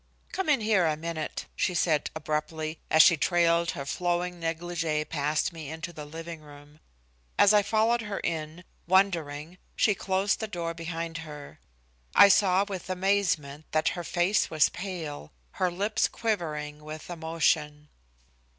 "Come in here a minute," she said abruptly, as she trailed her flowing negligee past me into the living room. As I followed her in, wondering, she closed the door behind her. I saw with amazement that her face was pale, her lips quivering with emotion.